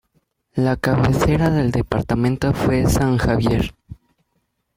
La cabecera del departamento fue San Javier.